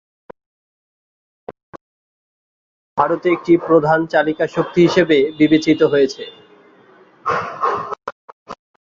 ধর্মীয় মৌলবাদ ভারতে একটি প্রধান চালিকা শক্তি হিসাবে বিবেচিত হয়েছে।